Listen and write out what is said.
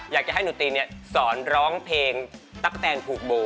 อยากจะให้หนูตีเนี่ยสอนร้องเพลงตั๊กแตนผูกโบ